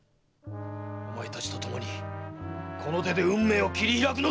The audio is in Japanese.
お前たちとともにこの手で運命を切り開くのだっ！